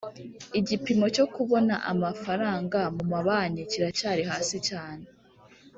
Igipimo cyo kubona amafaranga mu mabanki kiracyari hasi cyane